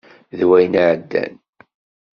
D wayen i iɛeddan.